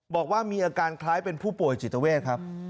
บอกว่ามีอาการคล้ายเป็นผู้ป่วยจิตเวทครับ